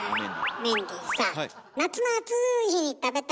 メンディーさあ